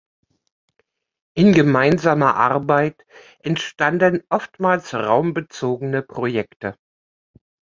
In gemeinsamer Arbeit entstanden oftmals raumbezogene Projekte.